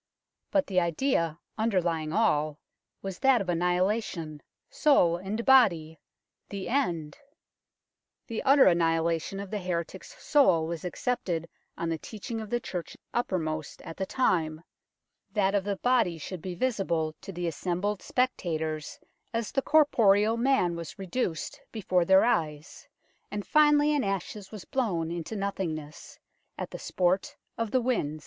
But the idea underlying all was that of annihilation, soul and body the end ! The utter annihilation of the heretic's soul was accepted on the teaching of the Church uppermost at the time ; that of the body should be visible to the assembled spectators as the corporal man was reduced before their eyes, and finally in ashes was blown into nothingness at the sport of the winds.